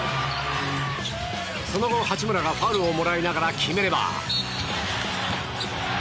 その後、八村がファウルをもらいながら決めれば。